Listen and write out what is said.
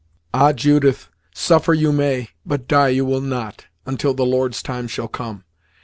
"Ah! Judith suffer you may; but die you will not, until the Lord's time shall come.